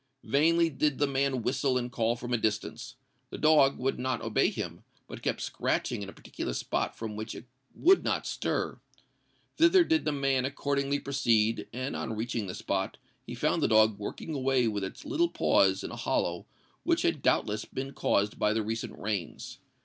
Vainly did the man whistle and call from a distance: the dog would not obey him, but kept scratching in a particular spot from which it would not stir. Thither did the man accordingly proceed; and, on reaching the spot, he found the dog working away with its little paws in a hollow which had doubtless been caused by the recent rains.